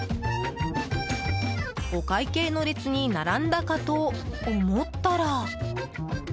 お会計の列に並んだかと思ったら。